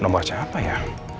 nomor siapa ya